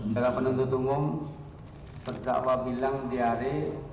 pada penentu tunggung berdakwa bilang di hari